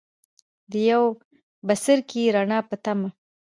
د یو بڅرکي ، رڼا پۀ تمه